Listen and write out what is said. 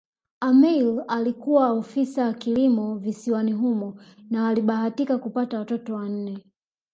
Ameir alikuwa ofisa kilimo visiwani humo na walibahatika kupata watoto wanne